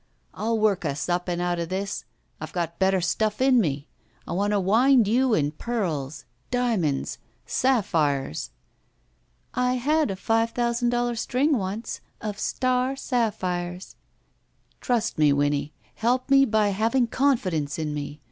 I'll work us up and out of this! I've got better stuff in me. I want to wind you in pearls — diamonds — sapphires." "I had a five thousand doUar string once of star sapphires." Trust me, Winnie. Help me by having confi dence in me.